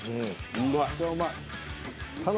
うまい。